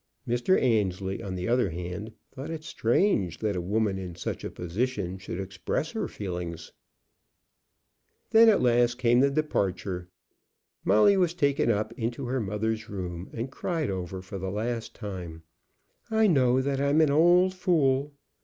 Mr. Annesley, on the other hand, thought it strange that a woman in such a position should express her feelings. Then at last came the departure. Molly was taken up into her mother's room and cried over for the last time. "I know that I'm an old fool!"